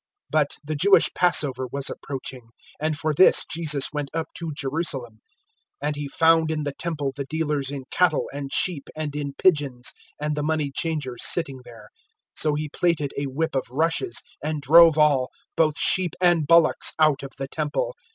002:013 But the Jewish Passover was approaching, and for this Jesus went up to Jerusalem. 002:014 And He found in the Temple the dealers in cattle and sheep and in pigeons, and the money changers sitting there. 002:015 So He plaited a whip of rushes, and drove all both sheep and bullocks out of the Temple.